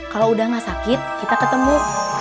kalau udah gak sakit kita ketemu